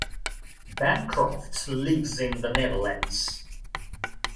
Bancroft lives in the Netherlands.